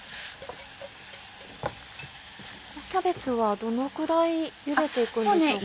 キャベツはどのくらい茹でていくんでしょうか。